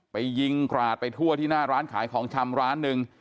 ไปยิงกราดไปทั่วที่หน้าร้านขายของชำร้านหนึ่ง